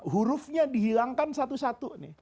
huruf nya dihilangkan satu satu